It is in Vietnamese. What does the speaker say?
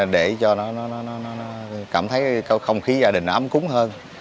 để cho nó cảm thấy không khí gia đình nó ấm cúng hơn